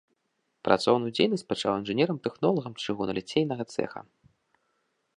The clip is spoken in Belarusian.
Працоўную дзейнасць пачаў інжынерам-тэхнолагам чыгуналіцейнага цэха.